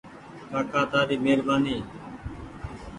ڪآڪآ تآري مهربآني۔